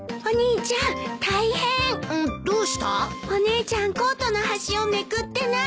お姉ちゃんコートの端をめくってない。